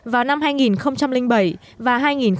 vào năm hai nghìn bảy và hai nghìn tám